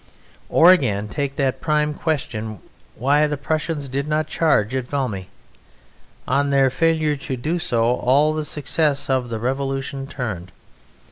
Or, again, take that prime question, why the Prussians did not charge at Valmy. On their failure to do so all the success of the Revolution turned.